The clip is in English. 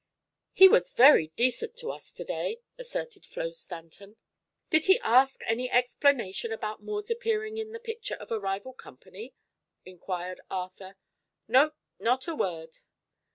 "He was very decent to us to day," asserted Flo Stanton. "Did he ask any explanation about Maud's appearing in the picture of a rival company?" inquired Arthur. "No, not a word."